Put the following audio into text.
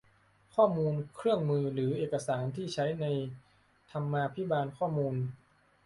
ข้อมูล เครื่องมือ หรือเอกสารที่ใช้ในธรรมาภิบาลข้อมูล